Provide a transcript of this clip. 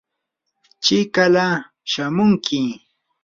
chikala shamunki.